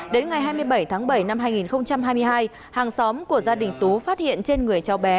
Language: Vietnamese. đến ngày hai mươi bảy tháng bảy năm hai nghìn hai mươi hai hàng xóm của gia đình tú phát hiện trên người cháu bé